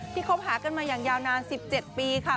คบหากันมาอย่างยาวนาน๑๗ปีค่ะ